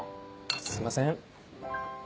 すいません。